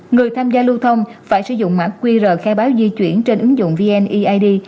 người tham gia lưu thông phải sử dụng mã qr khai báo di chuyển trên ứng dụng vneid